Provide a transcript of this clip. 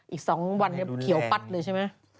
อีกสองวันเดี๋ยวเขียวปัดเลยใช่ไหม